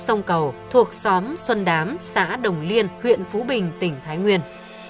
sông cầu thuộc xóm xuân đám xã đồng liên huyện phú bình tỉnh thái nguyên